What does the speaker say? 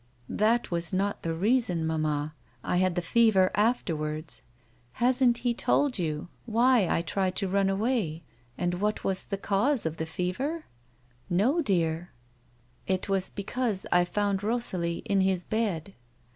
" That was not the reason, mamma ; I had the fevei afterwards. Hasn't he told you why I tried to run away, and what was the cause of the fever 1 "" No, dear." " It was because I found Kosalie in his bed."